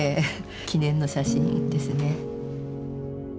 記念の写真ですね。